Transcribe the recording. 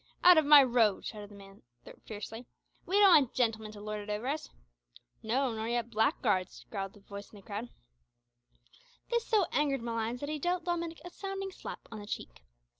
"Out of my road," shouted the mate, fiercely, "we don't want gentlemen to lord it over us." "No, nor yet blackguards," growled a voice in the crowd. This so angered Malines, that he dealt Dominick a sounding slap on the cheek.